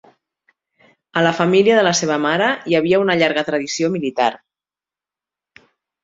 A la família de la seva mare hi havia una llarga tradició militar.